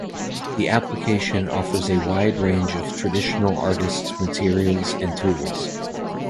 The application offers a wide range of traditional artists' materials and tools.